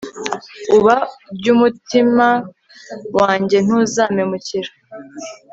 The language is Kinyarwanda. uba ry'umutima wanjye ntuza mpemukire